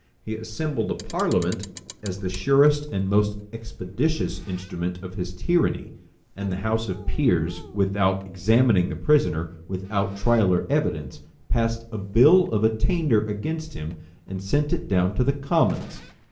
He assembled a parliament, as the surest and most expeditious instrument of his tyranny; and the house of peers, without examining the prisoner, without trial or evidence, passed a bill of attainder against him, and sent it down to the commons.